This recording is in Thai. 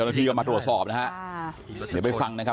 ที่ก็มาตรวจสอบนะฮะเดี๋ยวไปฟังนะครับ